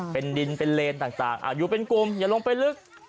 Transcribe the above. เป็นดินเป็นเลนต่างอยู่เป็นกลุ่มอย่าลงไปลึก